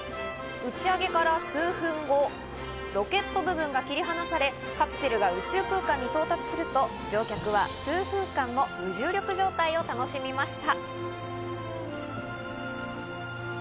打ち上げから数分後、ロケット部分が切り離され、カプセルが宇宙空間に到達すると乗客は数分間の無重力状態を楽しみました。